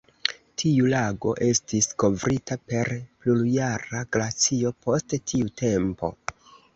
Tiu lago estis kovrita per plurjara glacio post tiu tempo.